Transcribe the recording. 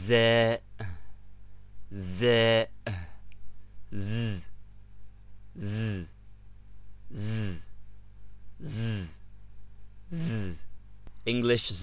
b, English b.